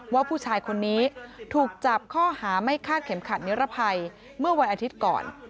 ว่าผู้ชายคนนี้ถูกจับข้อหาไม่คาดเข็มขัดนิรภัยเมื่อวันอาทิตย์ก่อน